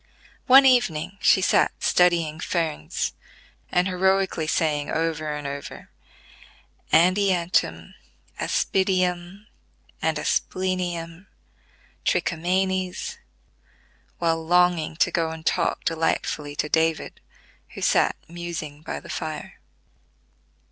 One evening she sat studying ferns, and heroically saying over and over, "Andiantum, Aspidium, and Asplenium, Trichomanes," while longing to go and talk delightfully to David, who sat musing by the fire.